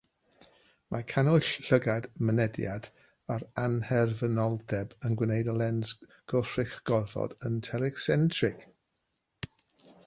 Mae cannwyll llygad mynediad ar annherfynoldeb yn gwneud y lens gwrthrych-gofod yn telesentrig.